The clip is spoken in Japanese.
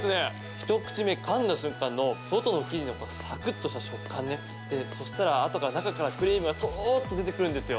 ひと口目、かんで瞬間の上の外の生地のサクッとした食感そうしたら、あとから中からクリームがトロッと出てくるんですよ。